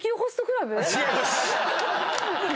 違います！